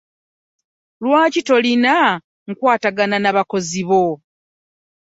Lwaki tolina nkwatagana n'abakozi bo?